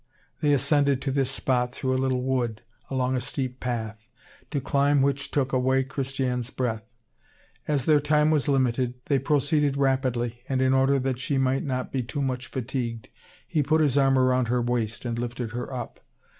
They ascended to this spot through a little wood, along a steep path, to climb which took away Christiane's breath. As their time was limited, they proceeded rapidly, and, in order that she might not be too much fatigued, he put his arm round her waist and lifted her up.